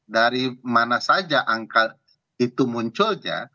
dari mana saja angka itu munculnya